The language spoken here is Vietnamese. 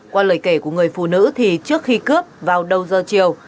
qua lời kể của người phụ nữ thì trước khi cướp vào đầu giờ chiều